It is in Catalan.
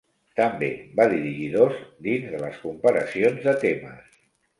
També va dirigir dos dins de les comparacions de temes.